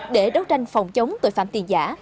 để đấu tranh phòng chống tội phạm tiền giả